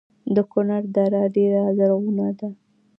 د کونړ دره ډیره زرغونه ده